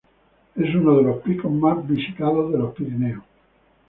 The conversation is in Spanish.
Es uno de los picos más visitados de los Pirineos.